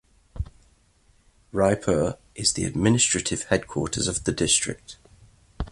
Raipur is the administrative headquarters of the district.